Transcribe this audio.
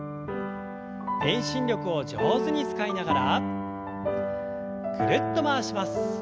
遠心力を上手に使いながらぐるっと回します。